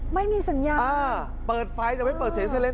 ไม่มีสัญญาอ่าเปิดไฟจะไม่เปิดเสียงไซเรน